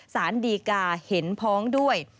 สารดีกาเห็นพ้องด้วย